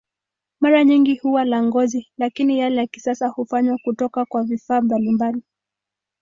Mara nyingi huwa la ngozi, lakini yale ya kisasa hufanywa kutoka kwa vifaa mbalimbali.